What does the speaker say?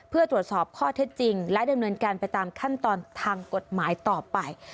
เพื่อตรวจสอบข้อเท็จจริงและดำเนินการไปตามขั้นตอนทางกฎหมายต่อไป